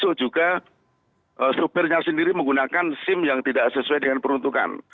termasuk juga sopirnya sendiri menggunakan sim yang tidak sesuai dengan peruntukan